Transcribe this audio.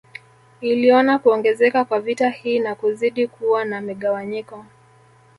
Iliona kuongezeka kwa vita hii na kuzidi kuwa na migawanyiko